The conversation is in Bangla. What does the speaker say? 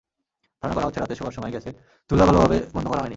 ধারণা করা হচ্ছে, রাতে শোয়ার সময় গ্যাসের চুলা ভালোভাবে বন্ধ করা হয়নি।